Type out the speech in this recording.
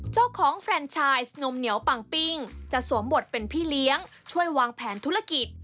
แฟนชายนมเหนียวปังปิ้งจะสวมบทเป็นพี่เลี้ยงช่วยวางแผนธุรกิจ